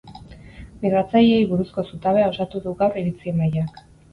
Migratzaileei buruzko zutabea osatu du gaur iritzi-emaileak.